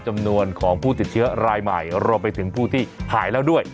จำนวนของผู้ติดเชื้อรายใหม่รวมไปถึงผู้ที่หายแล้วด้วย